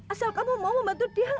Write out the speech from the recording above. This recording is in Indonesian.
asal kamu mau membantu dia